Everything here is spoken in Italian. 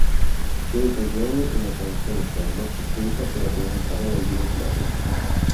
In sei occasioni una canzone serba fu scelta per rappresentare la Jugoslavia.